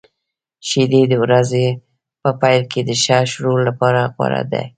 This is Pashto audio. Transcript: شیدې د ورځې په پیل کې د ښه شروع لپاره غوره دي.